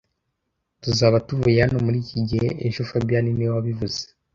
Tuzaba tuvuye hano muri iki gihe ejo fabien niwe wabivuze